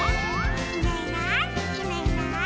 「いないいないいないいない」